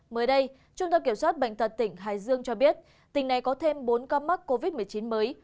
mới đây trung tâm kiểm soát bệnh tật tỉnh hải dương cho biết tỉnh này có thêm bốn ca mắc covid một mươi chín mới